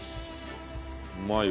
うまいわ。